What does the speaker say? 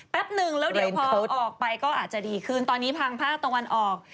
หนึ่งแล้วเดี๋ยวพอออกไปก็อาจจะดีขึ้นตอนนี้ทางภาคตะวันออก